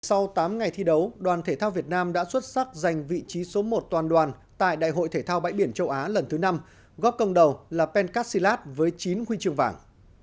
sau tám ngày thi đấu đoàn thể thao việt nam đã xuất sắc giành vị trí số một toàn đoàn tại đại hội thể thao bãi biển châu á lần thứ năm góp công đầu là pencastilat với chín huy chương vàng